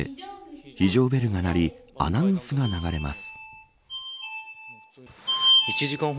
非常ベルが鳴りアナウンスが流れます。